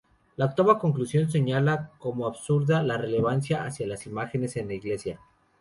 La octava conclusión señala como absurda la reverencia hacia las imágenes en la iglesia.